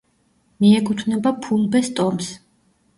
მიეკუთვნება ფულბეს ტომს.